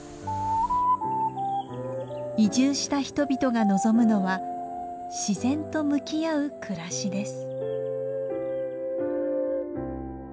移住した人々が望むのは自然と向き合う暮らしです。